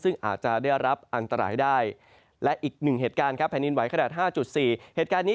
ซึ่งอาจจะได้รับอันตรายได้